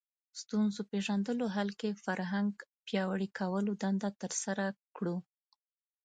ستونزو پېژندلو حل کې فرهنګ پیاوړي کولو دنده ترسره کړو